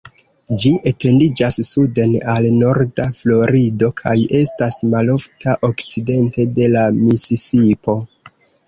Ĝi etendiĝas suden al norda Florido, kaj estas malofta okcidente de la Misisipo.